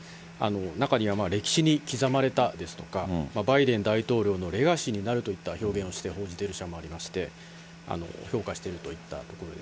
中には歴史に刻まれたですとか、バイデン大統領のレガシーになるといった表現をして報じている社もありまして、評価しているといったところです。